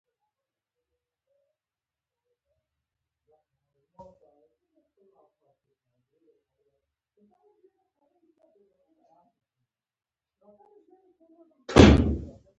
پر دريو بجو راکښېني.